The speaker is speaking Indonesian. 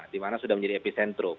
dimana sudah menjadi epicentrum